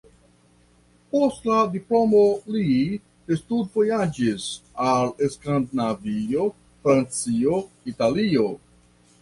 Post la diplomo li studvojaĝis al Skandinavio, Francio, Italio.